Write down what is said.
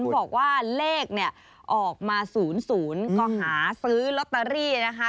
บอกว่าเลขเนี่ยออกมา๐๐ก็หาซื้อลอตเตอรี่นะคะ